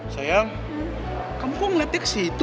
sayang kamu kok ngeliatnya ke situ